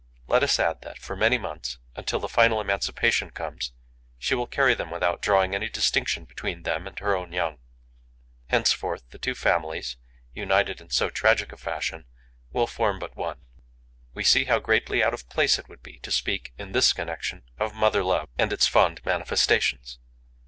Let us add that, for many months yet, until the final emancipation comes, she will carry them without drawing any distinction between them and her own young. Henceforth, the two families, united in so tragic a fashion, will form but one. We see how greatly out of place it would be to speak, in this connection, of mother love and its fond manifestations.